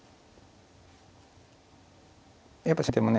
やっぱり先手もね